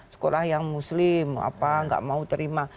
sekolah yang muslim apa nggak mau terima